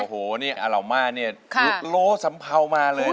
โอ้โหนี่อลาวมารเนี่ยโลสัมเภามาเลยนะ